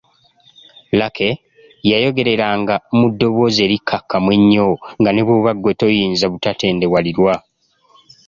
Lucky yayogereranga mu ddoboozi erikkakkamu ennyo nga ne bw’oba ggwe toyinza butatendewalirwa.